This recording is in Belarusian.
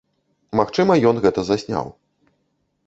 Магчыма ён гэта засняў.